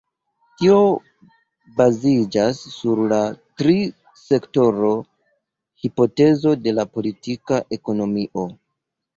Tio baziĝas sur la tri-sektoro-hipotezo de la politika ekonomio.